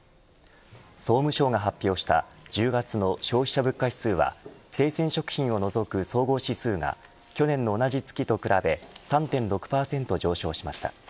総務省が発表した１０月の消費者物価指数は生鮮食品を除く総合指数が去年の同じ月と比べ３．６％上昇しました。